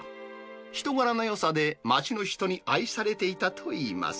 人柄のよさで、街の人に愛されていたといいます。